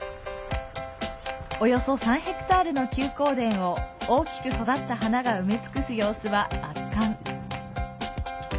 約３ｈａの休耕田を大きく育った花が埋め尽くす様子は圧巻。